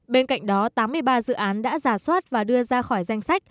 bên cạnh đó tám mươi ba dự án đã giả soát và đưa ra khỏi danh sách